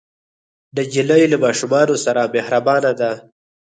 نجلۍ له ماشومانو سره مهربانه ده.